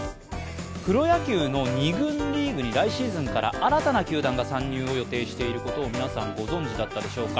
プロ野球の２軍リーグに来シーズンから新たな球団が参入を予定していることを皆さんご存じだったでしょうか。